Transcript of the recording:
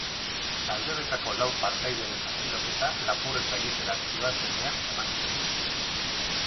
Talde honetako lau partaideren atxiloketa lapurreta egitera zihoazenean eman zen.